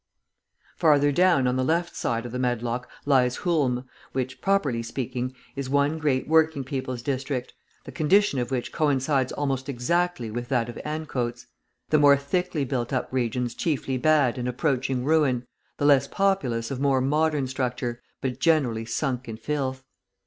Farther down, on the left side of the Medlock, lies Hulme, which, properly speaking, is one great working people's district, the condition of which coincides almost exactly with that of Ancoats; the more thickly built up regions chiefly bad and approaching ruin, the less populous of more modern structure, but generally sunk in filth.